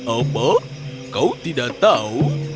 apa kau tidak tahu